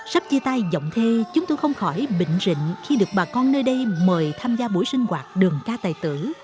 sắp chia tay giọng thê chúng tôi không khỏi bình rịnh khi được bà con nơi đây mời tham gia buổi sinh hoạt đường ca tài tử